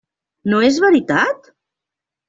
No és veritat?